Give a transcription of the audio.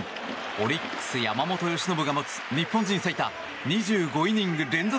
オリックス、山本由伸が持つ日本人最多２５イニング連続